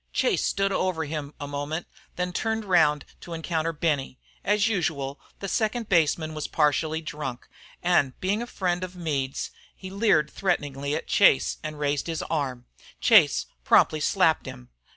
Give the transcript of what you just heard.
Chase stood over him a moment, then turned round to encounter Benny. As usual, the second baseman was partially drunk, and being a friend of Meade's, he leered threateningly at Chase and raised his arm. Chase promptly slapped him.